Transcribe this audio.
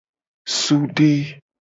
Sude.